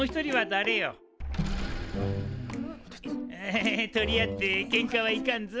え取り合ってけんかはいかんぞ。